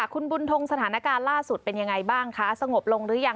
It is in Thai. คุณบุญทงสถานการณ์ล่าสุดเป็นยังไงบ้างคะสงบลงหรือยัง